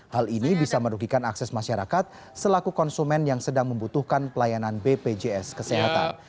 hal ini bisa merugikan akses masyarakat selaku konsumen yang sedang membutuhkan pelayanan bpjs kesehatan